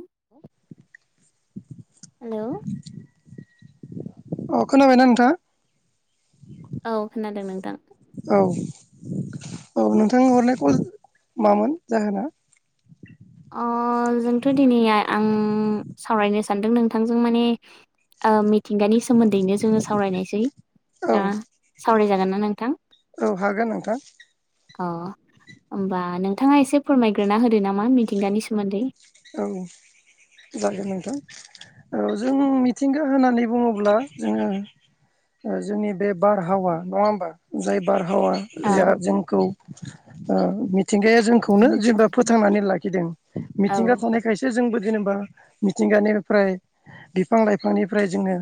[unintelligible] Hello खोनाबाय ना नोंथां। औ खोनादों नोंथां। औ औ नोंथां हरनाय कल मामोन जाहोना? अ जोंथ' दिनै आं सावरायनो सानदों नोंथांजों माने मिथिंगानि सोमोन्दैनो जोङो सावरायनायसै औ दा सावरायजागोन ना नोंथां औ हागोन नोंथां अ होनबा नों नोंथाङा एसे फोरमायग्रोना होदो नामा मिथिंगानि सोमोन्दै औ जागोन नोंथां औ जों मिथिंगा होननानै बुङोब्ला जोङो जोंनि बे बारहावा नङा होमबा जाय बारहाव आबहावा औ जों जोंखौ मिथिंगाया जोंखौनो जेनेबा फोथांनानै लाखिदों औ मिथिंगा खायसे जोंबो जेनेबा मिथिंगानिफ्राय बिफां लाइफांनिफ्राय जोङो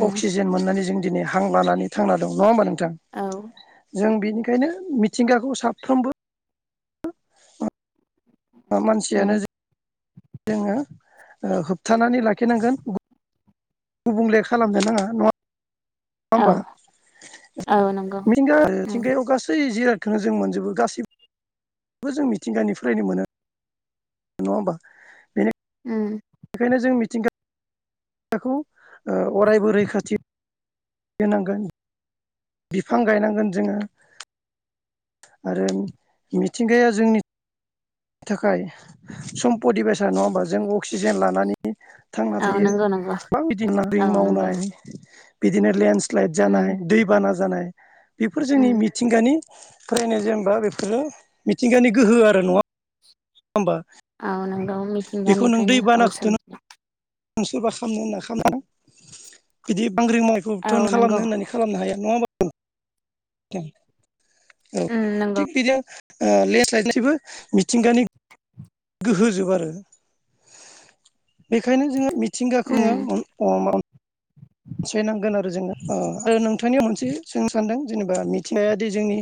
उम अक्सिजेन मोननानै जों दिनै हां लानानै थांना दं नङा मानो औ जों बेनिखायनो मिथिंगाखौ साफ्रोमबो मानसियानो उम ज जोङो होबथानानै लाखिनांगोन गुबुंले खालामनो नाङा नङा नङा औ होमबा औ नंगौ मिंगा उम थंगायाव गासै जिराय बेखौनो जों मोनजोबो गासैबो बे जों मिथिंगानि फरायनो मोनो नङा होमबा बेनिखायनो उम बेखायनो जों मिथिंगाखौ अरायबो रैखाथि होनांगोन बिफां गायनांगोन जोङो आरो मिथिंगाया जोंनि थाखाय सम्पति बेसाद नङा होमबा जों अक्सिजेन लानानै थांना औ थायो नंगौ नंगौ बा बिदिं औ लाारिं नंगौ मावनाय बिदिनो लेन्डस्लाइद उम जानाय दैबाना जानाय बेफोर जोंनि उम मिथिंगानि फरायनाय जेनेबा बेफोरो मिथिंगानि गोहो आरो नङा होमबा औ नोंगौ बेखौ नों दै मिथिंगानिफ्रायनो औ बानाखौथ' सोमजियो सोरबा खालामनो होना खालामनो हाया बिदि बांग्रि औ मावनायखौबोथ' नंगौ खालामनो होननानै खालामनो हाया नङा होमबा नोंथां औ उम नंगौ थिग बिदिनो लेन्डस्लाइनिफ्रायबो मिथिंगानि गोहोब आरो बेनिखायनो जोङो मिथिंगाखौ उम जोङो [unintelligible] अनसायनांगोन आरो जोङो आरो नोंथांनियाव मोनसे सोंनो सानदों जेनेबा मिथिनायादि जोंनि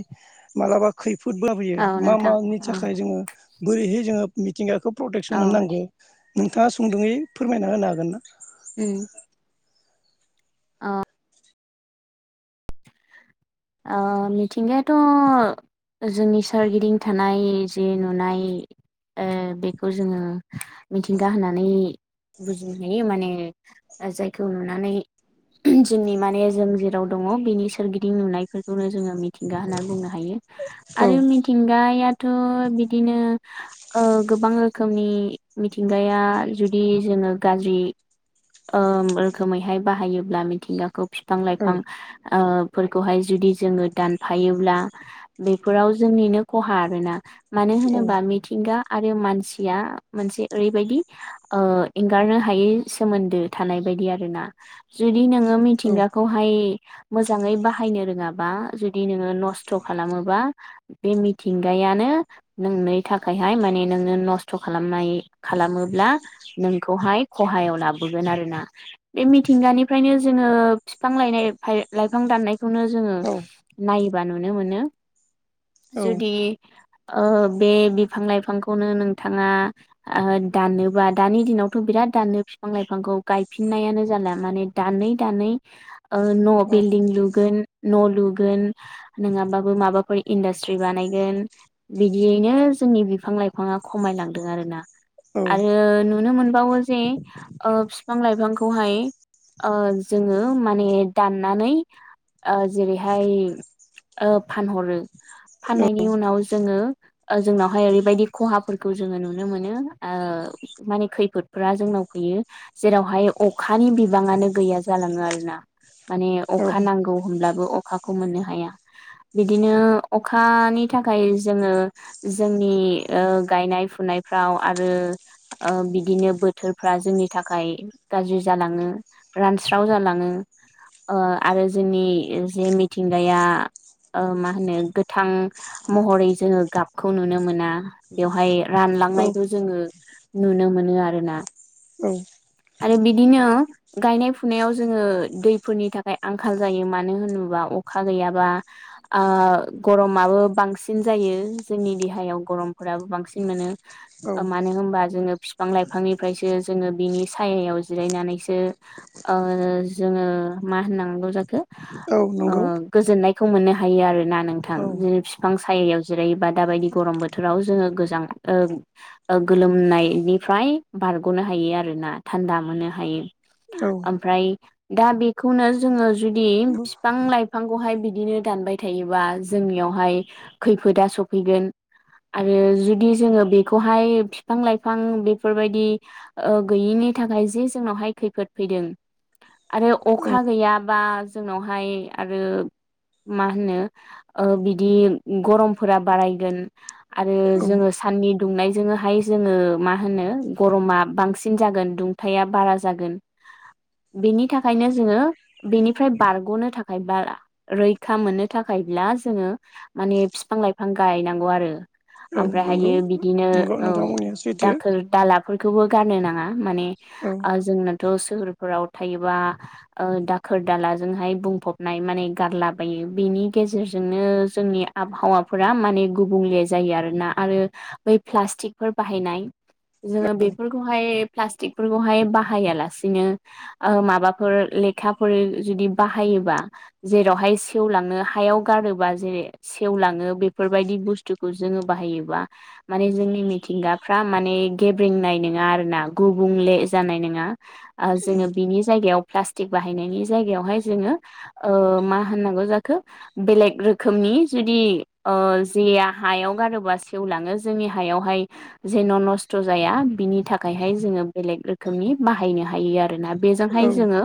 मालाबा खैफोदबो लाबोयो औ मा नोंथां मानि औ थाखाय जोङो बोरैहाय जोङो मिथिंगाखौ प्रटेकसन औ होनांगौ नोंथाङा सुंदुङै फोरमायना होनो हागोन ना उम ओ ओ मिथिंगायाथ' जोंनि सोरगिदिं थानाय जे नुनाय बेखौ जोङो मिथिंगा होनानै बुजिनो हायो माने जायखौ नुनानै जोंनि माने जों जेराव दङ बेनि सोरगिदिं नुनाय बेफोरखौनो जोङो मिथिंगा होननानै बुंनो हायो औ आरो मिथिंगाया थ' बिदिनो गोबां रोखोमनि मिथिंगाया जुदि जों गाज्रि रोखोमैहाय बाहायोब्ला मिथिंगाखौ फि बिफां औ लाइफां फोरखौहाय जुदि जोङो दानफायोब्ला बेफोराव जोंनिनो खहा आरोना मानो औ होनोबा मिथिंगा आरो मानसिया मोनसे ओरैबायदि एंगारनो हायै सोमोन्दो थानाय बायदि आरो ना जुदि नोङो औ मिथिंगाखौहाय मोजाङै बाहायनो रोङाबा जुदि नोङो नस्थ' खालामोबा बे मिथिंगायानो नोंनि थाखायहाय माने नोंनो नस्थ' खालामनाय खालामोब्ला नोंखौहाय खहायाव लाबोगोन आरोना बे मिथिंगानिफ्रायनो जोङो बिफां लायनाय लाइफां दाननायखौनो जोङो नाय बा नुनो मोनो जुदि ओ बे बिफां लाइफांखौनो नोंथाङा आ दानोबा दानि दिनावथ' बिराद दानो बिफां लाइफांखौ गायफिननायानो जाला माने दानै दानै न' औ बिल्दिं लुगोन न' लुगोन नङाबाबो माबाफोर इन्दास त्रि बानायगोन बिदियैनो जोंनि बिफां लाइफाङा खमायलांदों आरोना औ आरो नुनो मोनबावो जे बिफां लाइफांखौहाय जोङो माने दाननानै जेरैहाय फानहरो फाननायनि उनाव जोङो जोंनावहाय ओरैबायदि खहाफोरखौ जोङो नुनो मोनो माने खैफोदफोरा जोंनाव फैयो जेरावहाय अखानि बिबाङानो गैया जालाङो आरोना माने अखा नांगौ अब्लाबो आखाखौ मोननो हाया बिदिनो अखानि थाखाय जोङो जोंनि गायनाय फुनायफ्राव आरो बिदिनो बोथोरफ्रा जोंनि थाखाय थाखाय गाज्रि जालाङो रानस्राव जालाङो आरो जोंनि जे मिथिंगाया ओ मा होनो गोथां महरै जोङो गाबखौ नुनो मोना बेवहाय औ रानलांनायखौ जोङो नुनो मोनो आरो ना औ आरो बिदिनो गायनाय फुनायाव जोङो दैफोरनि थाखाय आंखाल जायो मान मानो होनोबा अखा गैयाबा आ गरमाबो बांसिन जायो जोंनि देहायाव गरमफोराबो बांसिन औ ओ मोनो होनबा जोङो बिफां लाइफांनिफ्रायसो जोङो बिनि सायायाव जिरायनानैसो ओ जोङो मा होननांगौ जाखो ओ औ नंगौ गोजोननायखौ मोननो हायो आरोना नोंथां औ बिनि बिफां सायायाव जेरैबा दाबायदि गरम बोथोराव जोङो गोजां ओ ओ गोलोमनायनिफ्राय बारग'नो हायो आरोना थान्दा मोननो हायो। औ ओमफ्राय दा बेखौनो जोङो जुदि औ फिफां लाइफांखौहाय बि बिदिनो दानबाय थायोबा जोंनियावहाय खैफोदा सफैगोन। आरो जुदि जोङो बेखौहाय फिफां लाइफां बेफोरबायदि ओ गैयिनि थाखाय जि जोंनावहाय खैफोद फैदों आरो औ अखा गैया बा जोंनावहाय आरो मा होनो ओ बिदि गरमफोरा बारायगोन आरो जोङो साननि दुंनायजोंनोहाय जोङो मा होनो गरमा बांसिन जागोन दुंथाया बारा जागोन। बेनि थाखायनो जोङो बेनिफ्राय बारग'नो थाखाय थाखायबा रैखा मोननो थाखायब्ला जोङो माने फिफां लाइफां गायनांगौ आरो। औ ओमफ्राय हायो नंगौ बिदिनो नंगौ औ नोंथां बुंनाया सैथो दाखोर दालाफोरखौबो गारनो नाङा माने औ ओ जोंनोथ' सोहोरफोराव थायोबा ओ दाखोर दालाजोंहाय बुंफबनाय माने गारलाबायो बेनि गेजेरजोंनो जोंनि आबहावाफोरा माने गुबुंले जायो आरोना आरो बै प्लास्टकफोर बाहायनाय जोङो बेफोरखौहाय प्लास्टिकफोरखौहाय बाहाया लासेनो ओ माबाफोर लेखाफोर जुदि बाहायोबा जेरावहाय सेवलाङो हायाव गारोबा जेरै सेवलाङो बेफोर बेफोरबायदि बुसथुखौ जोङो बाहायोबा माने जोंनि मिथिंगाफ्रा माने गेब्रेंनाय नङा आरोना गुबुंले जानाय नोङा ओ औ जोङो बिनि जायगाव प्लास्टिक बाहायनायनि जायगायावहाय जोङो ओ मा होननांगौ जाखो बेलेक रोखोमनि जुदि ओ जेया हायाव गारोबा सेवलाङो जोंनि हायावहाय जेन' नस्थ' जाया बि नि थाखायहाय जोङो बेलेग रोखोमनि बाहायनो हायो आरोना। औ बेजोंहाय जोङो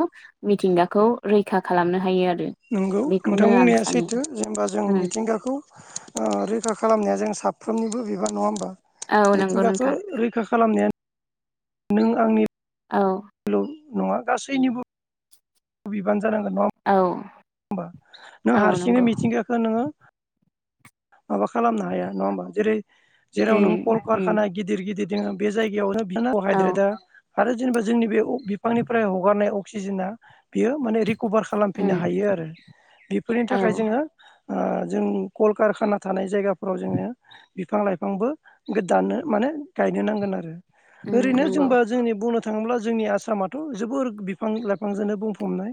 मिथिंगाखौ रैखा खालामनो हायो आर नंगौ नोंथां बुंनाया सैथो जेनेबा जों उम मिथिंगाखौ ओ-रैखा खालामनाया जों साफ साफ्रोमनिबो बिबान नङा होमबा औ नंगौ मिथिंगाखौ नोंथां रैखा खालामनायानो नों आंनि औ नङा गासैनिबो [unintelligible] बिबान औ होनबा नों औ हारसिङै नंगौ मिथिंगायखो नों हो माबा खालामनो हाया नङा होमबा जेरै जेराव नों उम उम कलकारखाना गिदिर गिदिर दोङो बे जायगायावनो बि [unintelligible] कार्ब औ हायद्रेदा आरो जेनेबा जोंनि बे अ बिफांनिफ्राय हगारनाय अक्सिजेना बेयो माने रि कभार खालामफिननो उम हायो आरो बेफोरनि औ थाखाय जोङो ओ जों कलकारखाना थानाय जायगाफोराव जोङो बिफां लाइफांबो गोदानो माने गायनो नांगोन आरो उम ओरैनो नंगौ जोंबा जोंनि बुंनो। थाङोब्ला जोंनि आसामाथ जोबोर बिफां लाइफांजोंनो बुंफबनाय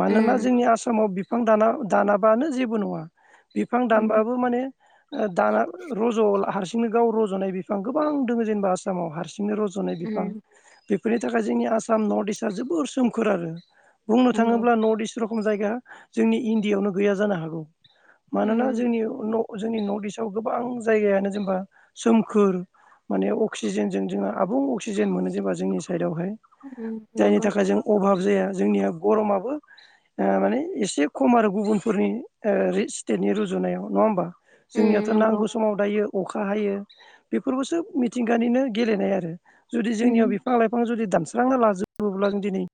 मानोना जोंनि आस समाव बिफां दानाबानो जेबो नङा। बिफां उम दानबाबो माने ओ-दाना रज हारसिं नो गाव रजनाय बिफां गोबां दङ जेनेबा आसामाव हारसिंनो रजनाय बिफां उम बि बेनि थाखाय जोंनि आसाम नर्थ इस्टआ जोबोर सोमखोर आरो बुंनो नंगौ थाङोब्ला नर्थ इस्ट रखम जायगा जोंनि इण्डियायावनो गैया जानो हागौ मानोना उम जोंनि जोंनि नर्थ इस्टआव गोबां जायगायानो जेनेबा सोमखोर माने अक्सिजेनजों जोंङो आबुं अक्सिजेन मोनो जेबा जोंनि साइडआवहाय उम जायनि नंगौ थाखाय जों अभाब जाया जोंनिया गरमाबो माने एसे खम आरो गुबुनफोरनि ओ स्टेटनि रुजुनायाव नङा होमबा। उम जोंनियाथ नंगौ नांगौ समाव दायो अखा हायो बेफोरखौसो मिथिंगानिनो गेलेनाय आरो जुदि जोंनियाव उम बिफां लाइफां जुदि दानस्रांना लाजोबोब्ला जों दिनै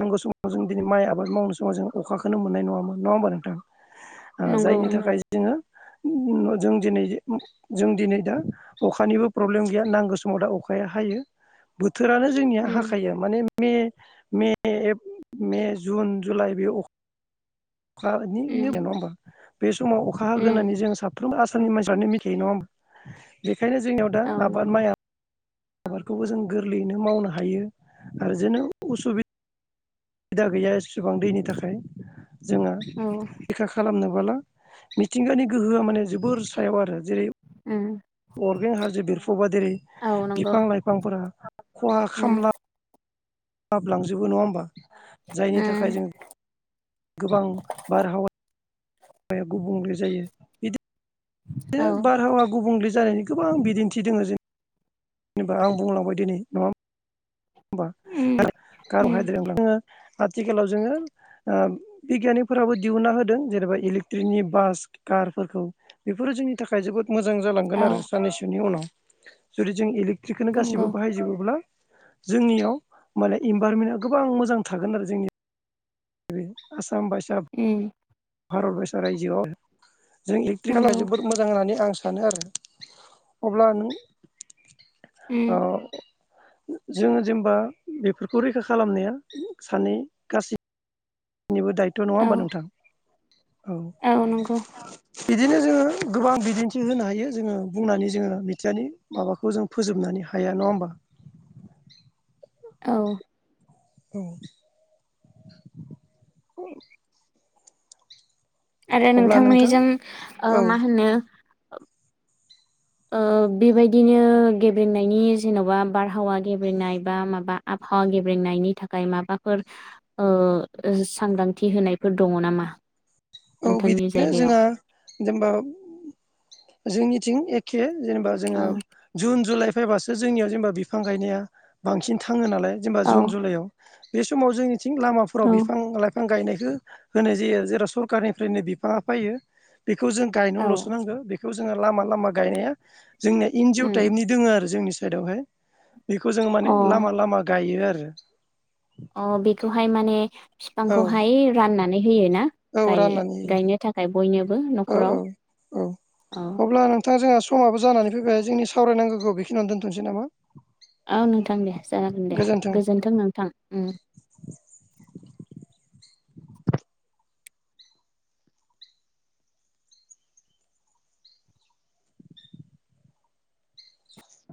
नांगौ समाव जों दिनै माइ आबाद मावनाय समाव जों अखा खोनो मोननाय नङामोन नङा होमबा नोंथां नंगौ जायनि उम थाखाय जोङो जों दिनै जों दिनै दा अखानिबो प्रब्लेम गैया नांगौ समाव दा अखा अखाया हायो। बोथोरानो जोंनिया उम हाखायो माने मे-मे जुन जुलाइ बे अ अखानि उम नङा होमबा बे समाव अखा उम हागोनानै जों साफ फफ्रोम आसामनि मानसिफ्रानो मिथिायो नङा होमबा बेखायनो जोंनियाव दा औ आबाद नंगौ माइया आबादखौबो जों गोरलैयैनो मावनो हायो आरो जेननो उसुबिदा सुबिदा गैया एसेबां दैनि थाखाय जोङो औ थखा खालामनो बाला मिथिंगानि गोहोआ माने जोबोर सायाव आरो जेरै उम अरगें हाजो बेरफुबा दिनै औ नंगौ बिफां लाइफांफोरा खहा उम खामला लाबलांजोबो नङा होमबा जायनि थाखाय उम जों गोबां बारहावाहावा-या गुबुंले जायो इदि औ नो बारहावा गुबुंले जानायनि गोबां बिदिन्थि दोङ जों जेनबा आं बुंलांबाय दिनै नङा होमबा उम उम [unintelligible] आथिखालाव जोङो ओ-बिगियानिकफोराबो दिहुना होदों जेनेबा इलेक्ट्रिकनि बास कारफोरखौ बेफोरो जोंनि थाखाय जोबोद मोजां जालांगोन औ आरो साननैसोनि उनाव जुदि जों इलेकट्रिकखौनो गासैबो नंगौ बाहायजोबोब्ला जोंनियाव माने इनभाइरमेन्टआ गोबां मोजां थागोन आरो जोंनि आसाम बारसा उम भारत बायसा रायजोआव जों एकट्रि खाल नंगौ जोबोद मोजां होननानै आं सानो आरो अब्ला नों ओ उम जोङो जेनेबा बेफोरखौ रैखा खालामनाया सानै गासै नैनिबो दायथ' नङा औ होनोमबा नोंथां। औ नंगौ। बिदिनो जोङो गोबां बिदिन्थि होनो हायो जोङो बुंनानै जोङो मिथिंगानि माबाखौ जों फोजोबनानै मानि हाया नङा होमबा। औ। औ। आरो अब्ला नोंथां नोंथांमोननिजों ओ औ मा होनो ओ बेबायदिनो गेब्रेनायनि जेन'बा बारहावा गेब्रेनाय बा माबा आ बहा गेब्रेंनायनि थाखाय माबाफोर सांग्रांथि होनायफोर दङ नामा। औ नोंथांनि बिदिनो जायगायाव जोंहा जेनेबा जोंनिथिं एखे जेनेबा जोङो औ जुन जुलाइ फैबासो जोंनियाव जेनेबा बिफां गायनाया बांसिन थाङो नालाय जेनेबा औ जुन जुलाइआव बे समाव जोंनिथिं लामाफोराव औ बिफां लाइफां बिफां गायनायखौ होनाय जायो जेराव सरखारनिफ्रायनो बिफाङा फैयो। बेखौ जों औ गायनोल'सो नांगौ बेखौ जोङो लामा लामा गायनाया जोंनिया एनज अ उम टाइपनि दोङो आरो जोंनि साइडआवहाय बेखौ जोो माने अ लामा लामा गायो आरो। [inaudible] अ बेखौहाय माने औ बिफांखौहाय राननानै औ होयोनााय राननानै गायनो थाखाय बयनोबो होयो औ न'खराव औ औ अब्ला नोंथाङा जोंहा समाबो जानानै फैबाय जोंनि सावरायनांगौखौ बेखिनियाव दोनथ'नोसै नामा। औ नोंथां दे जागोन दे गोजोन्थों गोजोनथों नोंथां ओ